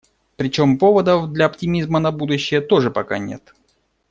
Причём поводов для оптимизма на будущее тоже пока нет.